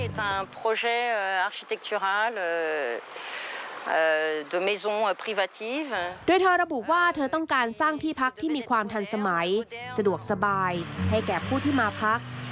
สถาปนิกชาวโดยสร้างที่มีความทันสมัยสะดวกสบายให้แก่ผู้ที่มาพัก